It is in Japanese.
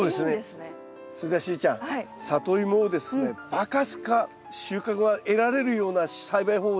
それからしーちゃんサトイモをですねバカスカ収穫が得られるような栽培法をですね